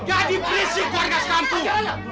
jadi berisik warga sekampung